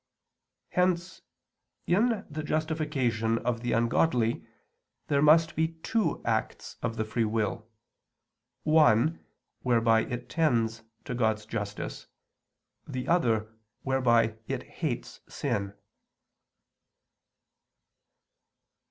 Hence in the justification of the ungodly there must be two acts of the free will one, whereby it tends to God's justice; the other whereby it hates sin.